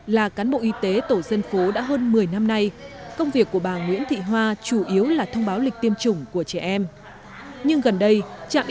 là cán bộ y tế tổ dân phố đã hơn một mươi năm nay công việc của bà nguyễn thị hoa chủ yếu là thông báo lịch tiêm chủng của trẻ em